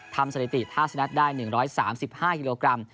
สถิติ๕สนัดได้๑๓๕กิโลกรัม